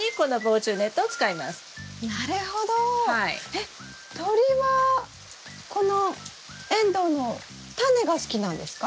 えっ鳥はこのエンドウのタネが好きなんですか？